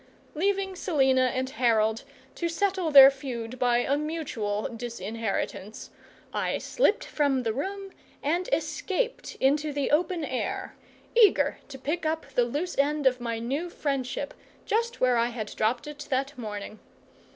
Leaving Selina and Harold to settle their feud by a mutual disinheritance, I slipped from the room and escaped into the open air, eager to pick up the loose end of my new friendship just where I had dropped it that morning.